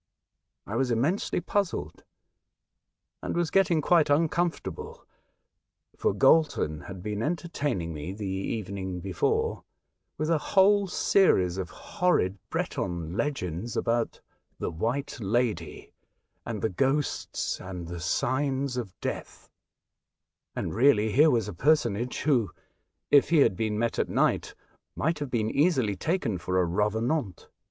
I was immensely puzzled, and was getting quite uncomfortable, for Galton had been entertaining me the evening before with a whole series of horrid Breton legends about the " White Lady," and the ghosts and the signs of death ; and really here was a personage who, if he had been met at night, might have been easily taken for a revenant.